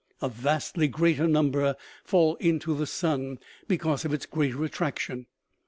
A vastly greater number fall into the sun, because of its greater attraction.